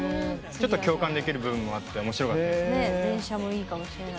ちょっと共感できる部分もあっておもしろかったです。